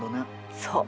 そう。